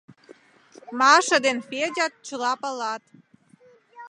Маша ден Федят чыла палат.